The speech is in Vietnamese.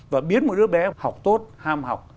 và biến một đứa bé học tốt ham học